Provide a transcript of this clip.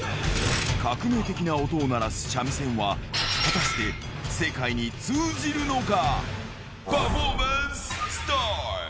革命的な音を鳴らす三味線は、果たして世界に通じるのか？